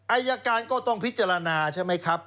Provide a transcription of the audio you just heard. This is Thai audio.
อายการก็ต้องพิจารณาใช่ไหมครับ